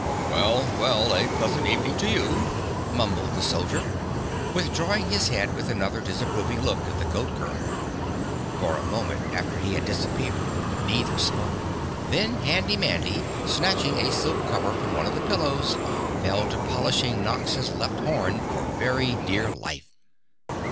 "Well! Well! A pleasant evening to you," mumbled the soldier, withdrawing his head after another disapproving look at the Goat Girl. For a moment after he had disappeared neither spoke, then Handy Mandy, snatching a silk cover from one of the pillows fell to polishing Nox's left horn for very dear life.